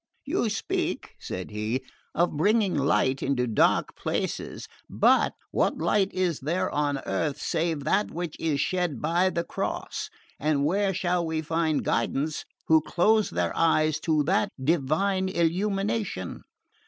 "You speak," said he, "of bringing light into dark places; but what light is there on earth save that which is shed by the Cross, and where shall they find guidance who close their eyes to that divine illumination?"